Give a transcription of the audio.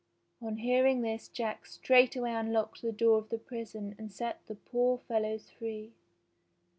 On hearing this Jack straightway unlocked the door of the prison and set the poor fellows free.